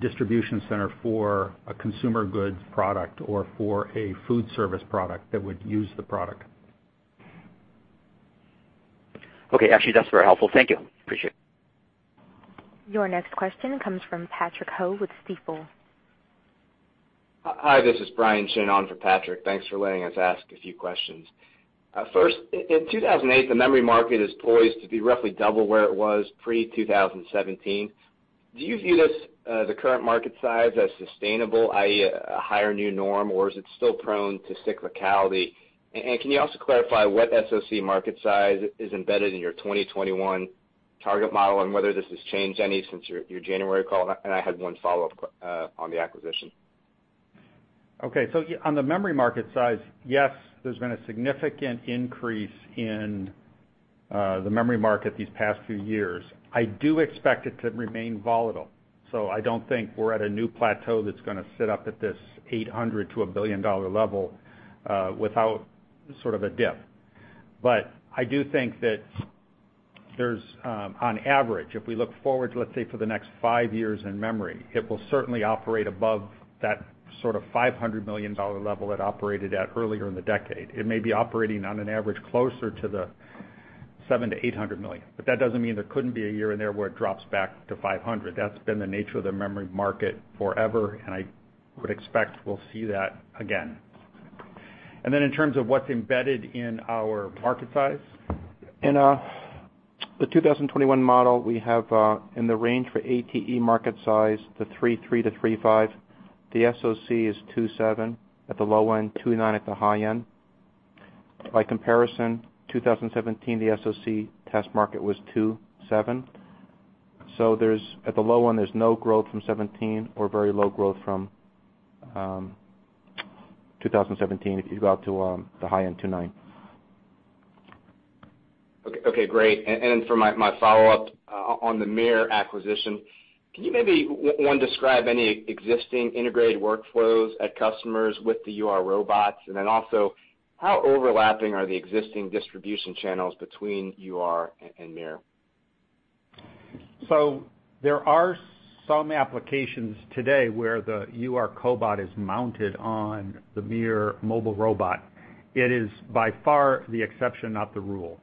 distribution center for a consumer goods product or for a food service product that would use the product. Okay. Actually, that's very helpful. Thank you. Appreciate it. Your next question comes from Patrick Ho with Stifel. Hi, this is Brian Chin on for Patrick. Thanks for letting us ask a few questions. First, in 2008, the memory market is poised to be roughly double where it was pre-2017. Do you view this, the current market size, as sustainable, i.e., a higher new norm, or is it still prone to cyclicality? Can you also clarify what SOC market size is embedded in your 2021 target model and whether this has changed any since your January call? I had one follow-up on the acquisition. Okay. On the memory market size, yes, there's been a significant increase in the memory market these past few years. I do expect it to remain volatile. I don't think we're at a new plateau that's going to sit up at this $800 million-$1 billion level without sort of a dip. I do think that there's, on average, if we look forward, let's say for the next five years in memory, it will certainly operate above that sort of $500 million level it operated at earlier in the decade. It may be operating on an average closer to the $700 million-$800 million. That doesn't mean there couldn't be a year in there where it drops back to $500 million. That's been the nature of the memory market forever, and I would expect we'll see that again. In terms of what's embedded in our market size? In the 2021 model, we have, in the range for ATE market size, the $3.3 billion-$3.5 billion. The SoC is $2.7 billion at the low end, $2.9 billion at the high end. By comparison, 2017, the SoC test market was $2.7 billion. At the low end, there's no growth from 2017 or very low growth from 2017, if you go out to the high end, to nine. Okay, great. For my follow-up, on the MiR acquisition, can you maybe, one, describe any existing integrated workflows at customers with the UR robots? Also, how overlapping are the existing distribution channels between UR and MiR? There are some applications today where the UR cobot is mounted on the MiR mobile robot. It is by far the exception, not the rule.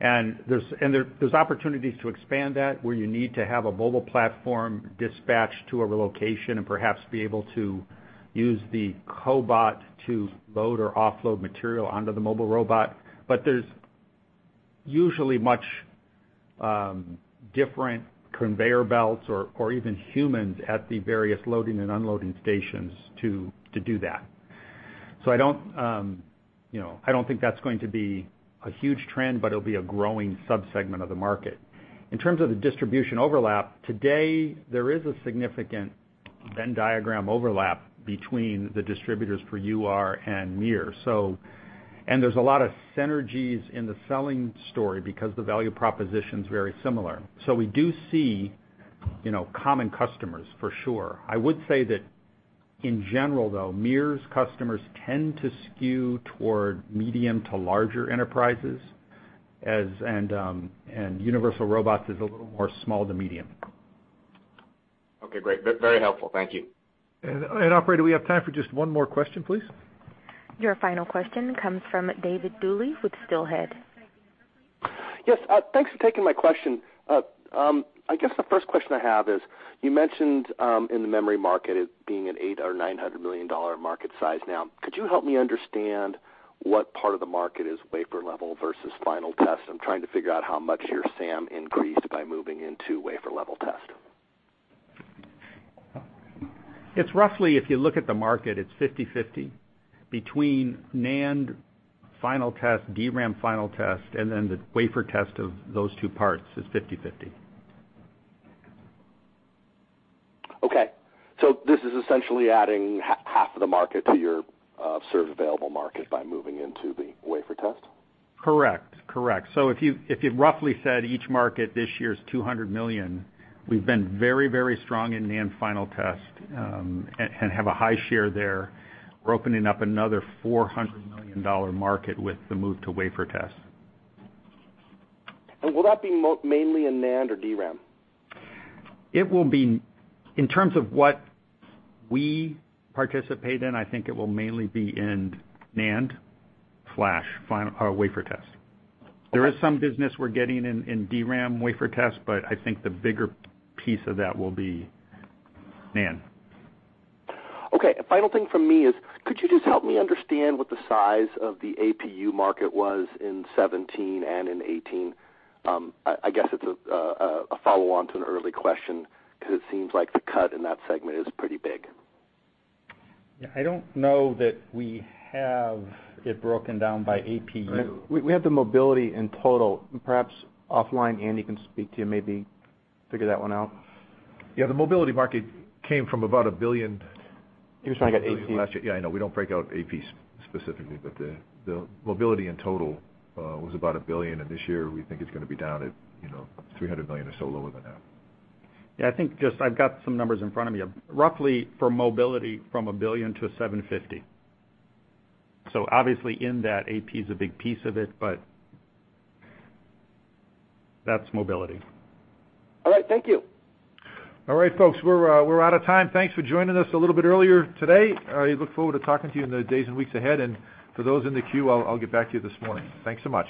There's opportunities to expand that, where you need to have a mobile platform dispatched to a location, and perhaps be able to use the cobot to load or offload material onto the mobile robot. There's usually much different conveyor belts or even humans at the various loading and unloading stations to do that. I don't think that's going to be a huge trend, but it'll be a growing sub-segment of the market. In terms of the distribution overlap, today, there is a significant Venn diagram overlap between the distributors for UR and MiR. There's a lot of synergies in the selling story because the value proposition's very similar. We do see common customers, for sure. I would say that in general, though, MiR's customers tend to skew toward medium to larger enterprises, and Universal Robots is a little more small to medium. Okay, great. Very helpful. Thank you. Operator, we have time for just one more question, please. Your final question comes from David Duley with Steelhead. Yes, thanks for taking my question. I guess the first question I have is, you mentioned in the memory market it being an $800 or $900 million market size now. Could you help me understand what part of the market is wafer-level versus final test? I'm trying to figure out how much your SAM increased by moving into wafer-level test. It's roughly, if you look at the market, it's 50/50. Between NAND final test, DRAM final test, and then the wafer test of those two parts is 50/50. Okay. This is essentially adding half of the market to your served available market by moving into the wafer test? Correct. If you've roughly said each market this year is $200 million, we've been very strong in NAND final test, and have a high share there. We're opening up another $400 million market with the move to wafer test. Will that be mainly in NAND or DRAM? In terms of what we participate in, I think it will mainly be in NAND flash wafer test. Okay. There is some business we're getting in DRAM wafer test, I think the bigger piece of that will be NAND. Okay. A final thing from me is, could you just help me understand what the size of the APU market was in 2017 and in 2018? I guess it's a follow-on to an early question, it seems like the cut in that segment is pretty big. Yeah, I don't know that we have it broken down by APU. We have the mobility in total. Perhaps offline, Andy can speak to you, maybe figure that one out. Yeah, the mobility market came from about $1 billion- He was talking about AP. Yeah, I know. We don't break out AP specifically, but the mobility in total was about $1 billion, and this year, we think it's going to be down at $300 million or so lower than that. I think just, I've got some numbers in front of me. Roughly for mobility, from $1 billion to $750 million. Obviously in that, AP's a big piece of it, but that's mobility. All right. Thank you. All right, folks. We're out of time. Thanks for joining us a little bit earlier today. I look forward to talking to you in the days and weeks ahead. For those in the queue, I'll get back to you this morning. Thanks so much.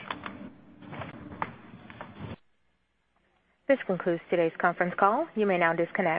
This concludes today's conference call. You may now disconnect.